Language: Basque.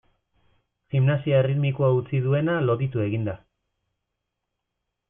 Gimnasia erritmikoa utzi duena loditu egin da.